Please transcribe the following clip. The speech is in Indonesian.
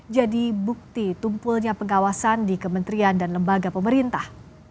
jadi bukti tumpulnya pengawasan di kementerian dan lembaga pemerintah